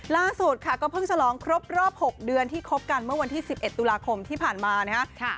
ล่าสุดค่ะก็เพิ่งฉลองครบรอบ๖เดือนที่คบกันเมื่อวันที่๑๑ตุลาคมที่ผ่านมานะครับ